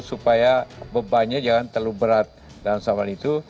supaya bebannya jangan terlalu berat dalam soal itu